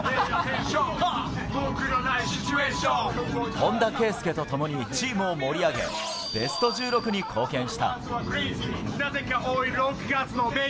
本田圭佑と共にチームを盛り上げ、ベスト１６に貢献した。